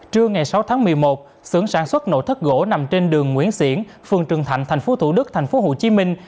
trưa ngày sáu tháng một mươi một sưởng sản xuất nổ thất gỗ nằm trên đường nguyễn xiển phường trường thạnh thành phố thủ đức thành phố hồ chí minh